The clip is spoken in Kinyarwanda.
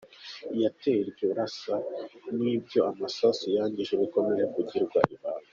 Iyateye iryo rasa n’ibyo amasasu yangije bikomeje kugirwa ibanga.